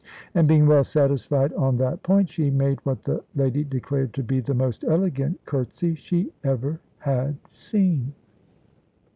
And being well satisfied on that point, she made what the lady declared to be the most elegant curtsy she ever had seen.